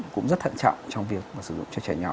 cũng rất thận trọng trong việc sử dụng cho trẻ nhỏ